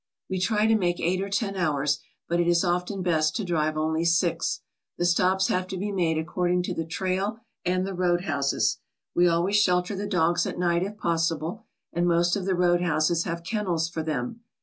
"We try to make eight or ten hours, but it is often best to drive only six. The stops have to be made according to the trail and the roadhouses. We always shelter the dogs at night if possible, and most of the roadhouses have kennels for them.